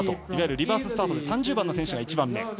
いわゆるリバーススタートで３０番の選手が１番目。